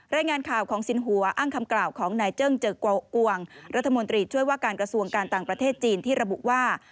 รายงานข่าวของสินหัวอ้างคำกล่าวของนายเจิ้งเจอกวงรัฐมนตรีช่วยว่าการกระทรวงการต่างประเทศจีนที่ระบุว่า